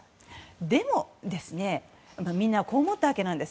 でも、みんなこう思ったわけです。